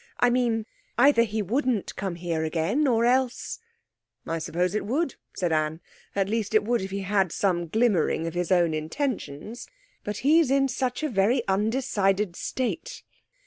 I mean, either he wouldn't come here again, or else ' 'I suppose it would,' said Anne. 'At least, it would if he had some glimmering of his own intentions. But he's in such a very undecided state.'